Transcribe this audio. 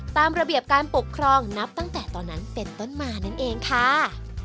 ตามระเบียบการปกครองนับตั้งแต่ตอนนั้นเป็นต้นมานั่นเองค่ะ